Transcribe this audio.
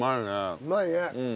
うまいね。